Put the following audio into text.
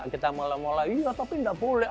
kalau kita mulai mulai iya tapi tidak boleh